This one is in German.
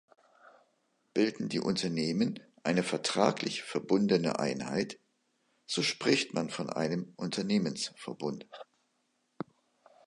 Bilden die Unternehmen eine vertraglich verbundene Einheit, so spricht man von einem Unternehmensverbund.